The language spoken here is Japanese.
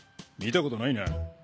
見たことないな。